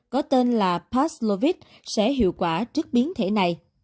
có tên là passlovit sẽ hiệu quả trước biến thể này